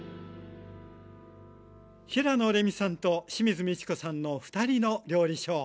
平野レミさんと清水ミチコさんの「ふたりの料理ショー」。